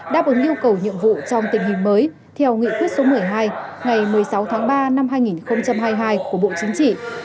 đáp ứng yêu cầu nhiệm vụ trong tình hình mới theo nghị quyết số một mươi hai ngày một mươi sáu tháng ba năm hai nghìn hai mươi hai của bộ chính trị